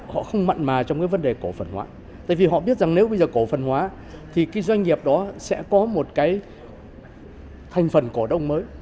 họ biết rằng nếu bây giờ cổ phần hóa thì cái doanh nghiệp đó sẽ có một cái thành phần cổ đông mới